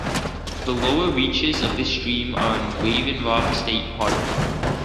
The lower reaches of this stream are in Raven Rock State Park.